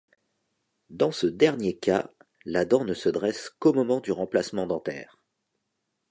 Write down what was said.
Dans ce dernier cas, la dent ne se dresse qu'au moment du remplacement dentaire.